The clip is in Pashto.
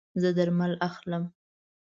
زه درمل اخلم